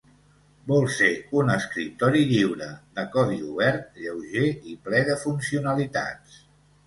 Vol ser un escriptori lliure, de codi obert, lleuger i ple de funcionalitats.